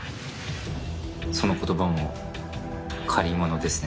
その言葉も借り物ですね。